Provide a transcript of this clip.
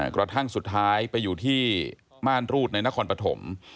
กระทั่งสุดท้ายไปอยู่ที่ม่านรูดในนครปฐม